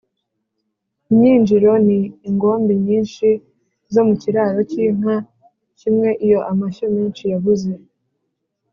Imyinjiro ni ingombe nyinshi zo mu kiraro cy'inka kimwe Iyo amashyo menshi yabuze